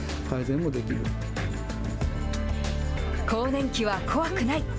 更年期は怖くない。